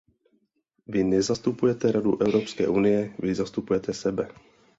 Vy nezastupujete Radu Evropské unie, vy zastupujete sebe.